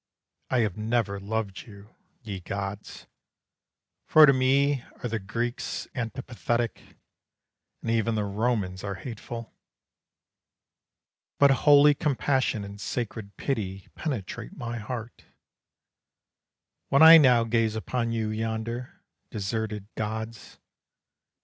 I have never loved you, ye gods! For to me are the Greeks antipathetic, And even the Romans are hateful. But holy compassion and sacred pity Penetrate my heart, When I now gaze upon you yonder, Deserted gods!